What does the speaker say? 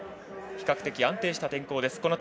比較的安定した天候です。